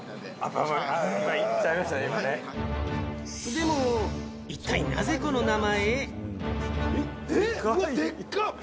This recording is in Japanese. でも一体、なぜこの名前？